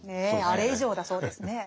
あれ以上だそうですね。